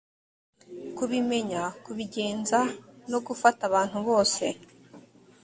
kubimenya kubigenza no gufata abantu bose